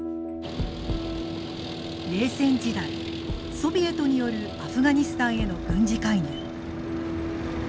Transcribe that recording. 冷戦時代ソビエトによるアフガニスタンへの軍事介入。